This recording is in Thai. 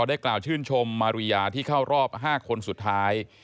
ได้กล่าวชื่นชมมาริยาที่เข้ารอบ๕คนสุดท้าย